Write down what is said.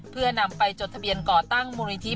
เพื่อนำไปจดทะเบียนก่อตั้งมูลนิธิ